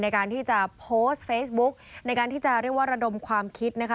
ในการที่จะโพสต์เฟซบุ๊กในการที่จะเรียกว่าระดมความคิดนะคะ